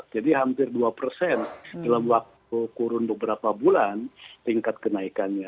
jadi hampir dua persen dalam waktu kurun beberapa bulan tingkat kenaikannya